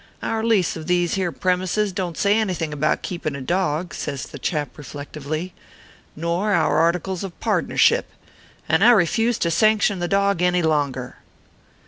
Our lease of these here premises don t say anything about keeping a dog," says the chap, reflectively, " nor our articles of pardnership, and I refuse to sanction the dog any longer."